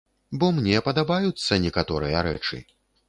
Бо мне падабаюцца некаторыя рэчы.